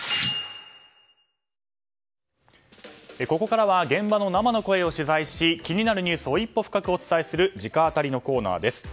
ここからは現場の生の声を取材し気になるニュースを一歩深くお伝えする直アタリのコーナーです。